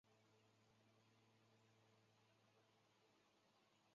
我说没拿就没拿啊